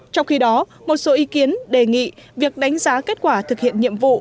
trong khi đó một số ý kiến đề nghị việc đánh giá kết quả thực hiện nhiệm vụ